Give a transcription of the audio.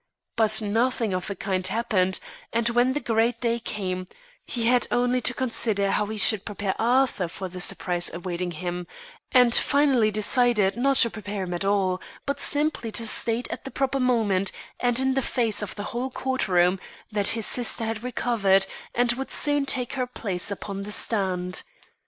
But nothing of the kind happened; and, when the great day came, he had only to consider how he should prepare Arthur for the surprise awaiting him, and finally decided not to prepare him at all, but simply to state at the proper moment, and in the face of the whole court room, that his sister had recovered and would soon take her place upon the stand.